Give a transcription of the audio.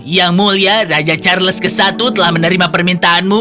yang mulia raja charles ke satu telah menerima permintaanmu